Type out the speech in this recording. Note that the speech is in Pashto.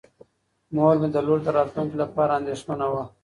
مور یې د لور د راتلونکي لپاره اندېښمنه وه.